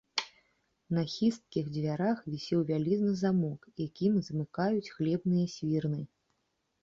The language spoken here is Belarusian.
На хісткіх дзвярах вісеў вялізны замок, якімі замыкаюць хлебныя свірны.